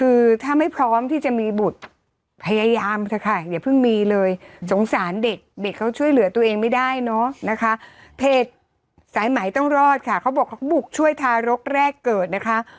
เอาเลยครับค่ะเผยร่ามสักไข่อย่าเพิ่งมีเลยสงสารเด็กเขาช่วยเหลือตัวเองไม่ได้เนาะนะคะเพศสายไหมต้องรอดค่ะเขาบอกบุกช่วยทารกแลกเกิดนะคะ